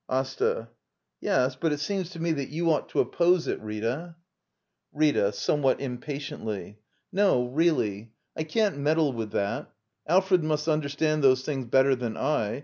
AsTA. Yes; but it seems to me that you ought to oppose it, Rita. RriA. [Somewhat impatiently.] No — really — I can't meddle with that. Alfred must under stand those things better than I.